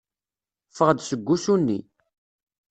Ffeɣ-d seg wusu-nni.